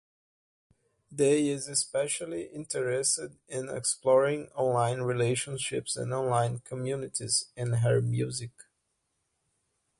Dey is especially interested in exploring online relationships and online communities in her music.